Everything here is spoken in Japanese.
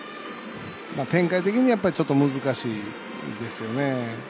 展開的にちょっと難しいですよね。